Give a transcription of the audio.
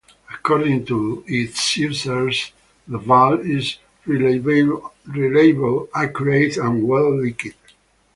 According to its users, the "Val" is reliable, accurate, and well liked.